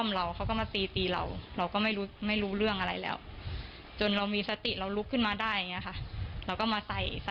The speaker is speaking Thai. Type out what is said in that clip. หรือหรือหรือหรือหรือหรือหรือหรือหรือ